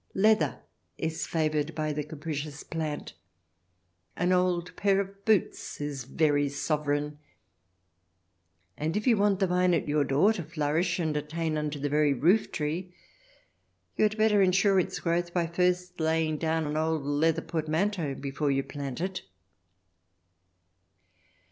Leather is favoured by the capricious plant ; an old pair of boots is very sov'ran, and if you want the vine at your door to flourish and attain unto the very roof tree you had better ensure its growth by first laying down an old leather portmanteau before you plant it.